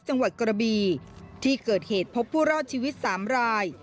จังหวัดกระบีที่เกิดเหตุพบผู้รอดชีวิต๓ราย